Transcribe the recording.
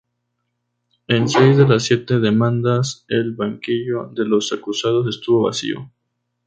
En seis de las siete demandas el banquillo de los acusados estuvo vacío.